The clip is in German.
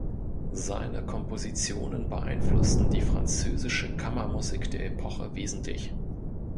Seine Kompositionen beeinflussten die französische Kammermusik der Epoche wesentlich.